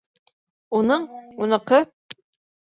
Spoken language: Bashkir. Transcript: Уның, уныҡы